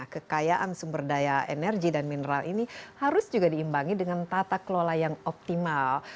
kekayaan sumber daya energi dan mineral ini harus juga diimbangi dengan tata kelola yang optimal